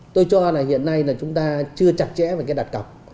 tôi cho là hiện nay là chúng ta chưa chặt chẽ về cái đặt cọc